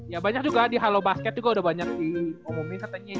ya banyak juga di halo basket juga udah banyak diomongin katanya